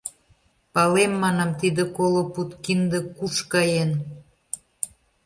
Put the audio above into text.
Палем, манам, тиде коло пуд кинде куш каен!